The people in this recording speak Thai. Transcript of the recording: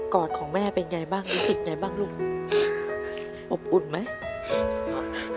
อดของแม่เป็นไงบ้างรู้สึกไงบ้างลูกอบอุ่นไหม